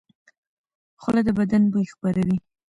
خوله د بدن بوی خپروي.